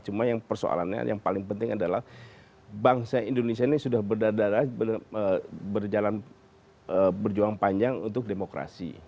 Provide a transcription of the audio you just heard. cuma yang persoalannya yang paling penting adalah bangsa indonesia ini sudah berdarah darah berjuang panjang untuk demokrasi